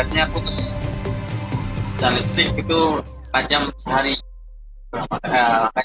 saat saya lagi ke indonesia ke antara indonesia ke beberapa kesehatan